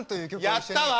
やったわ！